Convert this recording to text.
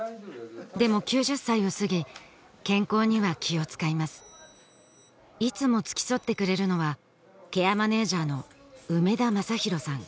でも９０歳を過ぎ健康には気を使いますいつも付き添ってくれるのはケアマネージャーの梅田政宏さん